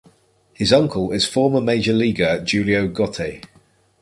His uncle is former major leaguer Julio Gotay.